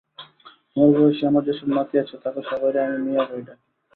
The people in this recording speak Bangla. তোমার বয়সী আমার যেসব নাতি আছে, তাগো সবাইরে আমি মিয়াভাই ডাকি।